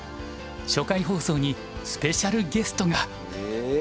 初回放送にスペシャルゲストが！え？